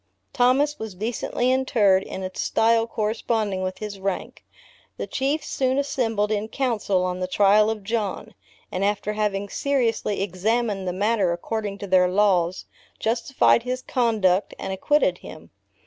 Thomas was decently interred in a style corresponding with his rank. The Chiefs soon assembled in council on the trial of John, and after having seriously examined the matter according to their laws, justified his conduct, and acquitted him.